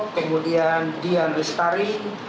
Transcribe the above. kemudian dian lestari